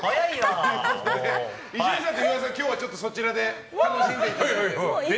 伊集院さんと岩井さんはそちらで楽しんでいただいて。